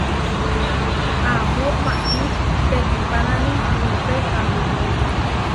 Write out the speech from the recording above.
Amó maʼí tekihpánani rupeháma.